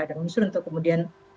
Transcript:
ada unsur untuk kemudian